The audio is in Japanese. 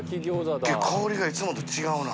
香りがいつもと違うな。